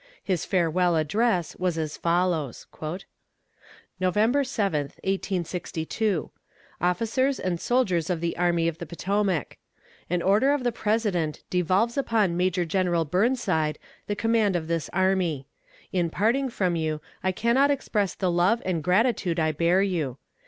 His farewell address was as follows: "November 7th, 1862. Officers and Soldiers of the Army of the Potomac: An order of the President devolves upon Major General Burnside the command of this army. In parting from you I cannot express the love and gratitude I bear you.